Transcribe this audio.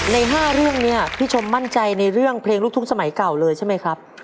ใน๕เรื่องนี้พี่ชมมั่นใจในเรื่องเพลงลูกทุ่งสมัยเก่าเลยใช่ไหมครับ